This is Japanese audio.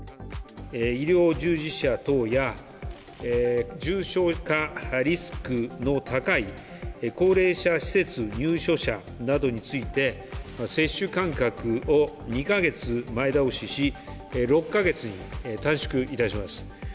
医療従事者等や、重症化リスクの高い高齢者施設入所者などについて、接種間隔を２か月前倒しし、６か月に短縮いたします。